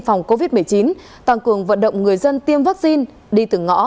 phòng covid một mươi chín tăng cường vận động người dân tiêm vaccine đi từ ngõ